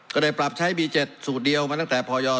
ก็ได้ปรับใช้บี๗สูตรเดียวมาตั้งแต่พย